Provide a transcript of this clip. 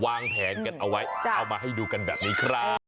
วางแผนกันเอาไว้เอามาให้ดูกันแบบนี้ครับ